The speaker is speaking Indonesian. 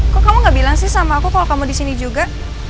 kok kamu gak bilang sih sama aku kalau kamu di sini juga